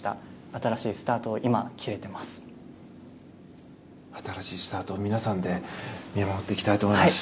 新しいスタートを皆さんで見守っていきたいと思います。